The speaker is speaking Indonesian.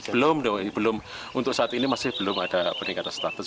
belum belum untuk saat ini masih belum ada peningkatan status